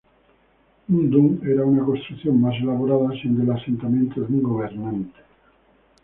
Un "dun" era una construcción más elaborada, siendo el asentamiento de un gobernante.